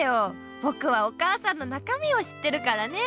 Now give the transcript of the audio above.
ぼくはお母さんの中身を知ってるからね。